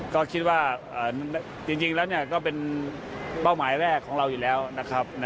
ก็คิดว่าจริงแล้วก็เป็นเป้าหมายแรกของเราอยู่แล้วนะครับ